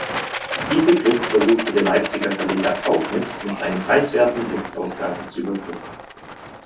Diese Kluft versuchte der Leipziger Verleger Tauchnitz mit seinen preiswerten Textausgaben zu überbrücken.